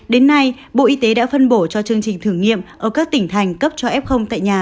đến nay bộ y tế đã phân bổ cho chương trình thử nghiệm ở các tỉnh thành cấp cho f tại nhà